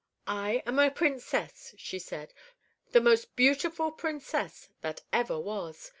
"I am a Princess," she said; "the most beautiful Princess that ever was.